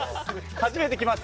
初めて来ました。